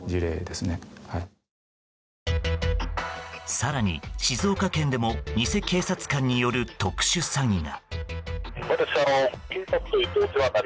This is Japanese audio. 更に静岡県でも偽警察官による特殊詐欺が。